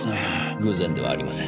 偶然ではありません。